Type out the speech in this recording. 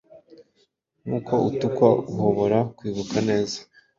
Nkuko utukwa, uhobora kwibuka neza,